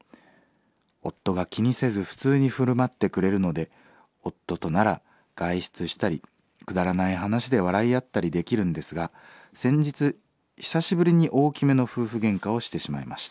夫が気にせず普通に振る舞ってくれるので夫となら外出したりくだらない話で笑い合ったりできるんですが先日久しぶりに大きめの夫婦げんかをしてしまいました。